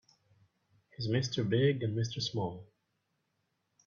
He's Mr. Big and Mr. Small.